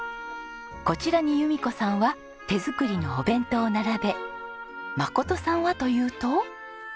こちらに由美子さんは手作りのお弁当を並べ眞さんはというと。